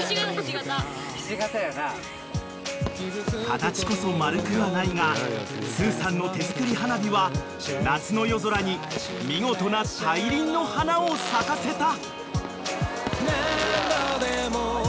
［形こそ丸くはないがすーさんの手作り花火は夏の夜空に見事な大輪の花を咲かせた］